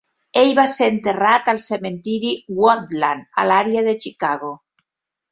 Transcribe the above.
Ell va ser enterrat al Cementiri Woodlawn a l"àrea de Chicago.